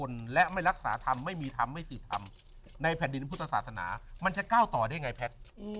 ทำไม่สื่อทำในแผ่นดินพุทธศาสนามันจะเก้าต่อได้ไงแพทย์